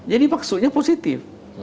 jadi maksudnya positif